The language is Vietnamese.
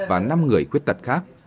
và năm người khuyết tật khác